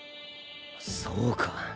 そうか。